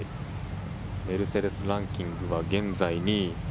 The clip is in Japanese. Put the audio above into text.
メルセデス・ランキングは現在２位。